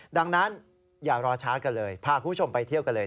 ดังนั้นอย่ารอช้ากันเลยพาคุณผู้ชมไปเที่ยวกันเลย